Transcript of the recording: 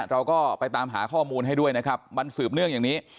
เราก็ไปตามหาข้อมูลให้ด้วยนะครับมันสืบเนื่องอย่างนี้